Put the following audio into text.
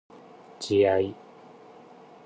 自愛